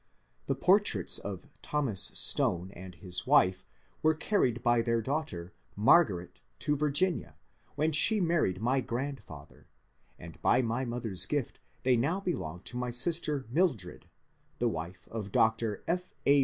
The portraits of Thomas Stone and his wife were carried by their daughter Margaret to Virginia when she married my grandfather, and by my mother's gift they now belong to my sister Mildred, the wife of Dr. F. A.